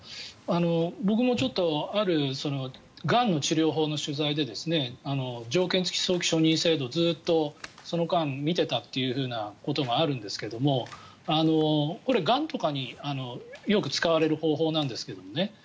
僕もちょっとあるがんの治療法の取材で条件付き早期承認制度をずっとその間見ていたということがあるんですがこれ、がんとかによく使われる方法なんですね。